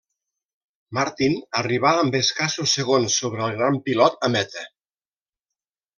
Martin arribà amb escassos segons sobre el gran pilot a meta.